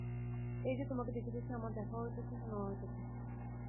এই যে তোমাকে দেখিতেছি, আমার দেখাও হইতেছে শোনাও হইতেছে।